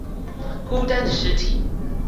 孤單的屍體